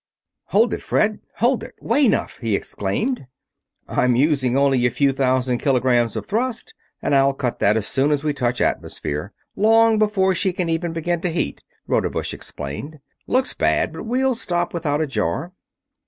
"Hold it, Fred, hold it! Way 'nuff!" he exclaimed. "I'm using only a few thousand kilograms of thrust, and I'll cut that as soon as we touch atmosphere, long before she can even begin to heat," Rodebush explained. "Looks bad, but we'll stop without a jar."